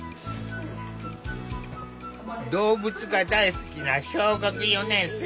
動物が大好きな小学４年生。